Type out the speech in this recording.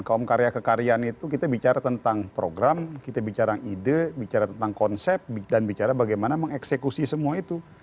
kaum karya kekaryaan itu kita bicara tentang program kita bicara ide bicara tentang konsep dan bicara bagaimana mengeksekusi semua itu